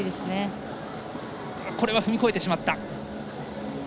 これは踏み越えてしまった。